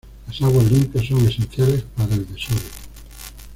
Las aguas limpias son esenciales para el desove.